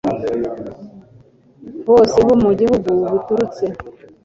bose bo mu gihugu biturutse